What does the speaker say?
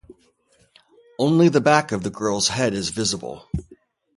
Only the back of the girl's head is visible.